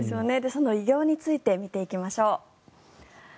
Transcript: その偉業について見ていきましょう。